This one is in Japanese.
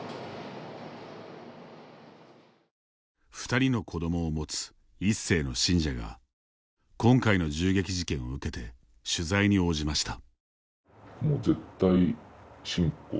２人の子どもを持つ１世の信者が今回の銃撃事件を受けて取材に応じました。